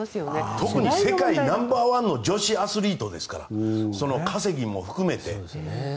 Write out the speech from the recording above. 特に世界ナンバーワンの女子アスリートですから稼ぎも含めて。